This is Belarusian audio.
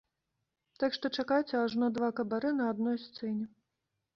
Так што чакайце ажно два кабарэ на адной сцэне!